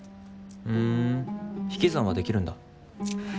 ふん引き算はできるんだ。